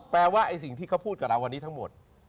ว่าไอ้สิ่งที่เขาพูดกับเราวันนี้ทั้งหมด